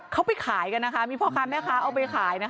เขาไปขายกันมีพ่อคาแม่ค้าเอาไปขาย